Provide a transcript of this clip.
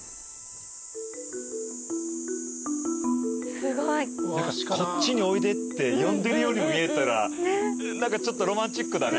すごい。何かこっちにおいでって呼んでるように見えたら何かちょっとロマンチックだね。